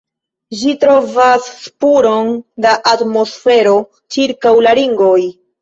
Ĝi trovas spuron da atmosfero ĉirkaŭ la ringoj.